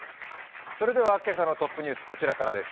今朝のトップニュース、こちらからです。